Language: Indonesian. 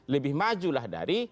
lebih maju dari